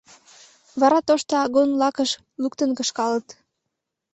Вара тошто агун лакыш луктын кышкалыт...